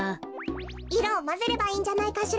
いろをまぜればいいんじゃないかしら。